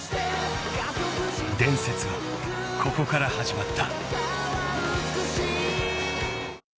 ［伝説はここから始まった］